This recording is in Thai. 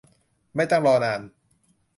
ไม่ต้องรอนาน